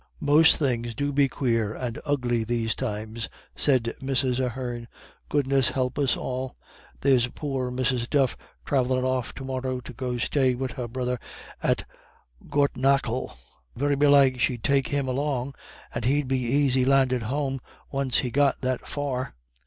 "Most things do be quare and ugly these times," said Mrs. Ahern, "Goodness help us all. There's poor Mrs. Duff thravellin' off to morra, to go stay wid her brother at Gortnakil. Very belike she'd take him along; and he'd be aisy landed home, once he'd got that far."